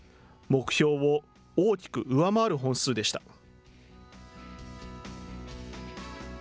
目標を大きく上回る本数でした。